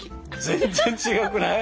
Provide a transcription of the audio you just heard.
全然違うくない？